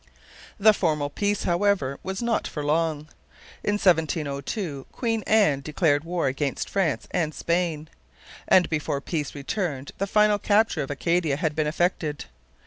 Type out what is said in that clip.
The formal peace, however, was not for long. In 1702 Queen Anne declared war against France and Spain. And before peace returned the final capture of Acadia had been effected.